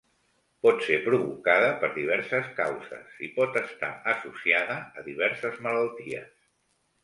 Pot ser provocada per diverses causes i pot estar associada a diverses malalties.